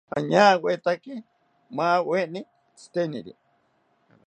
Añawetaki maaweni tziteniri